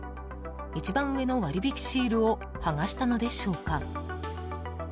［一番上の割引シールを剥がしたのでしょうか？］